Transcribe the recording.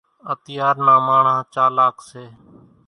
اتيار نان ماڻۿان چالاڪ سي۔